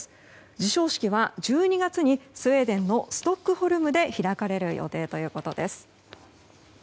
授賞式は１２月にスウェーデンのストックホルムで開かれる予定です。